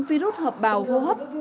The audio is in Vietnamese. virus hợp bào hô hấp